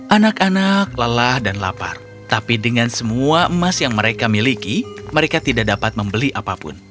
anak anak lelah dan lapar tapi dengan semua emas yang mereka miliki mereka tidak dapat membeli apapun